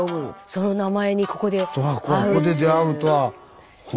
その名前にここで。